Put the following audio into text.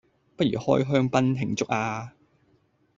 不如開香檳慶祝吖？